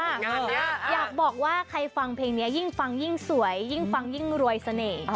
อยากบอกว่าใครฟังเพลงนี้ยิ่งฟังยิ่งสวยยิ่งฟังยิ่งรวยเสน่ห์